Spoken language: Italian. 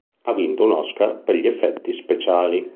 Ha vinto un Oscar per gli effetti speciali.